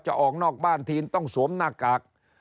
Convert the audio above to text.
ออกนอกบ้านทีนต้องสวมหน้ากาก